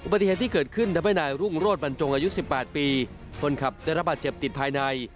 ปฏิเหตุที่เกิดขึ้นทำให้นายรุ่งโรธบรรจงอายุ๑๘ปีคนขับได้รับบาดเจ็บติดภายใน